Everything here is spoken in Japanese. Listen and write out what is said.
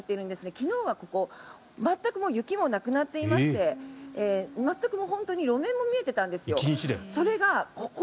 昨日はここ全く雪もなくなっていまして全く本当に路面も見えていたんですよ。